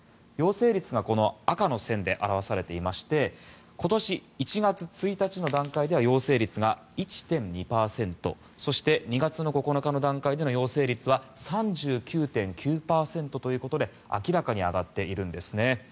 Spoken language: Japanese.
陽性率がこの赤の線で表されていまして今年１月１日の段階では陽性率が１．２％そして、２月９日の段階での陽性率は３９．９％ということで明らかに上がっているんですね。